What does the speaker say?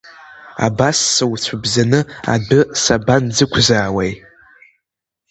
Абас суцәабзаны адәы сабанӡықәзаауеи?